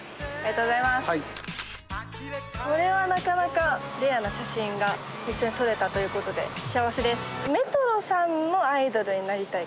これはなかなかレアな写真が一緒に撮れたという事で幸せです！